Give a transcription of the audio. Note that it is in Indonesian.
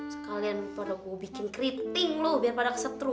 sekalian pada gua bikin keriting lu biar pada kesetruh